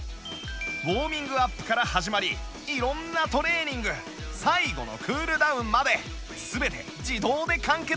ウォーミングアップから始まり色んなトレーニング最後のクールダウンまで全て自動で完結